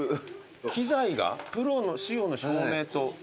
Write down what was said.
機材がプロ仕様の照明と。